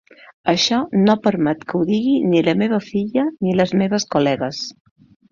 Això no permeto que ho digui ni la meva filla ni les meves col·legues.